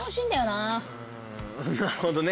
なるほどね。